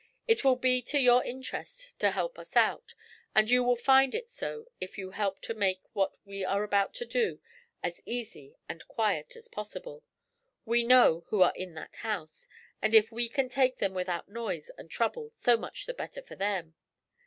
'It will be to your interest to help us, and you will find it so if you help to make what we are about to do as easy and quiet as possible. We know who are in that house, and if we can take them without noise and trouble, so much the better for them.